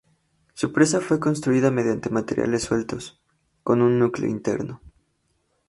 Su presa fue construida mediante materiales sueltos, con un núcleo interno.